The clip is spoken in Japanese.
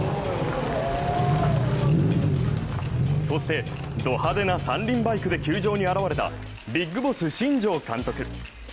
そして、ド派手な三輪バイクで球場に現れたビッグボス、新庄監督。